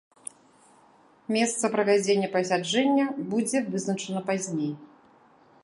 Месца правядзення пасяджэння будзе вызначана пазней.